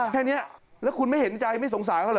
แค่นี้แล้วคุณไม่เห็นใจไม่สงสารเขาเห